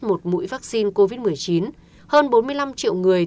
một mũi vaccine covid một mươi chín hơn bốn mươi năm triệu người